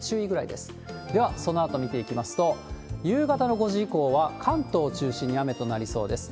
では、そのあと見ていきますと、夕方の５時以降は、関東を中心に雨となりそうです。